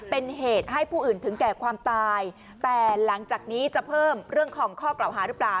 เป็นเหตุให้ผู้อื่นถึงแก่ความตายแต่หลังจากนี้จะเพิ่มเรื่องของข้อกล่าวหาหรือเปล่า